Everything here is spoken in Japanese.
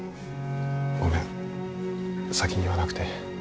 ごめん先に言わなくて。